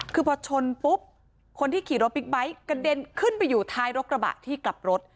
คือพอชนปุ๊บคนที่ขี่รถบิ๊กไบท์กระเด็นขึ้นไปอยู่ท้ายรถกระบะที่กลับรถ